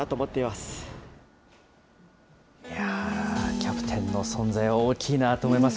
キャプテンの存在は大きいなと思います。